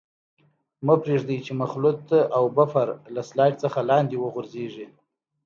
مه پرېږدئ چې مخلوط او بفر له سلایډ څخه لاندې وغورځيږي.